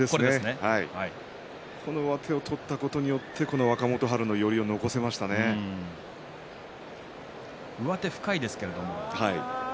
この上手を取ったことによって若元春の上手は深いですね。